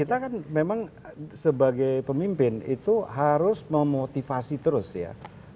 kita kan memang sebagai pemimpin itu harus memotivasi terus ya